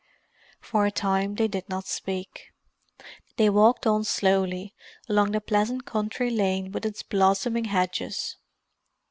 For a time they did not speak. They walked on slowly, along the pleasant country lane with its blossoming hedges.